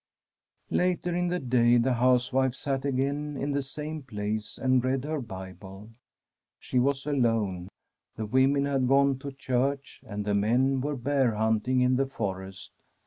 Later in the day the housewife sat again in the same place, and read her Bible. She was alone ; the women had gone to church, and the men were bear hunting in the forest.